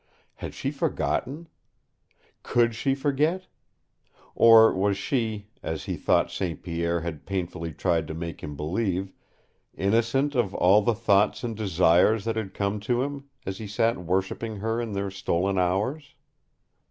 Had she forgotten? COULD she forget? Or was she, as he thought St. Pierre had painfully tried to make him believe, innocent of all the thoughts and desires that had come to him, as he sat worshipping her in their stolen hours?